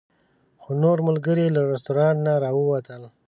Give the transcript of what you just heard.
خو نور ملګري له رسټورانټ نه راووتل.